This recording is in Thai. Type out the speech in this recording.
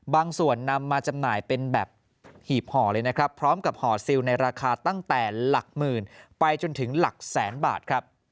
บางส่วนนำมาจำหน่ายเป็นแบบหีบห่อเลยนะครับพร้อมกับห่อซิลในราคาตั้งแต่หลักหมื่นไปจนถึงหลักแสนบาทครับ